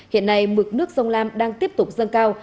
hiện nay mực nước sông lam đang tiếp tục dâng cao